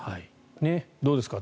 どうですか？